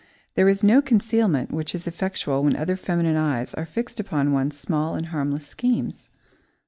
There is no concealment which is effectual when other feminine eyes are fixed upon one's small and harmless schemes.